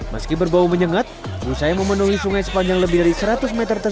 meski berbau menyengat busa yang memenuhi sungai sepanjang lebih dari seratus meter